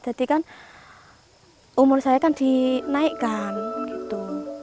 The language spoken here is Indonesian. jadi kan umur saya kan dinaikkan gitu